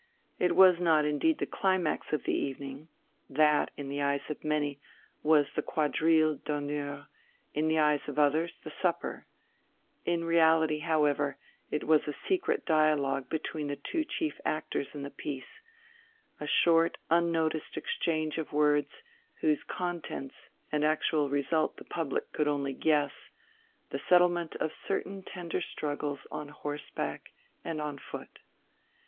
It was not indeed the climax of the evening. That, in the eyes of many, was the Quadrille d'honneur; in the eyes of others, the supper, in reality, however, it was a secret duologue between the two chief actors in the piece, a short, unnoticed exchange of words, whose contents and actual result the public could only guess the settlement of certain tender struggles on horseback and on foot.